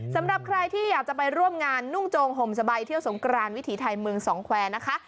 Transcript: สำหรับใครที่อยากจะไปร่วมงานนุ่งโจงห่มสบายเที่ยวสงกรานวิถีไทยเมืองสองแควร์นะคะ